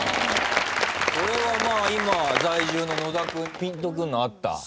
これはまあ今在住の野田君ピンとくるのあった？